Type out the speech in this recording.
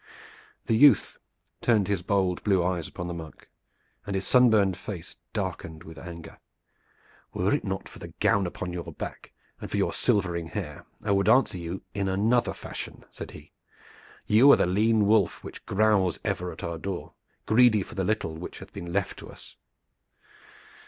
The youth turned his bold blue eyes upon the monk, and his sunburned face darkened with anger. "Were it not for the gown upon your back, and for your silvering hair, I would answer you in another fashion," said he. "You are the lean wolf which growls ever at our door, greedy for the little which hath been left to us.